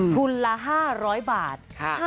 ทุนละ๕๐๐บาท